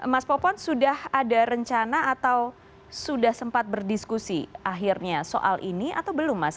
mas popon sudah ada rencana atau sudah sempat berdiskusi akhirnya soal ini atau belum mas